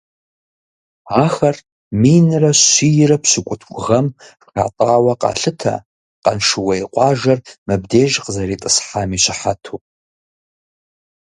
Ахэр минрэ щийрэ пщыкӀутху гъэм хатӀауэ къалъытэ, Къаншыуей къуажэр мыбдеж къызэритӀысхьам и щыхьэту.